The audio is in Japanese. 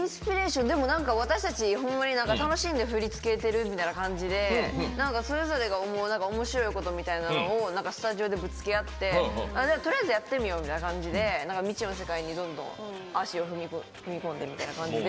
私たちほんまに楽しんで振りつけてるみたいな感じでそれぞれが思うおもしろいことみたいなのをスタジオでぶつけ合ってとりあえずやってみようみたいな感じで未知の世界に、どんどん足を踏み込んでみたいな感じで。